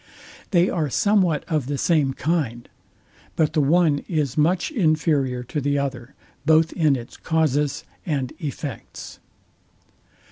They are somewhat of the same kind: But the one is much inferior to the other, both in its causes and effects.